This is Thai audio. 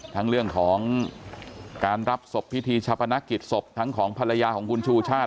ทั้งเรื่องของการรับศพพิธีชาปนกิจศพทั้งของภรรยาของคุณชูชาติ